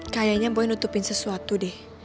kayaknya boleh nutupin sesuatu deh